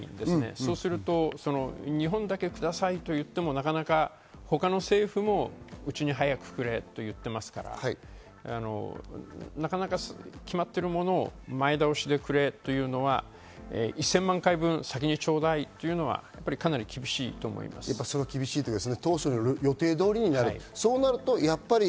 そうすると、日本だけくださいと言ってもなかなか他の政府もうちに早くくれと言っていますから、なかなか決まってるものを前倒しでくれというのは１０００万回分、先にちょうだいというのはかなり厳しいと思います。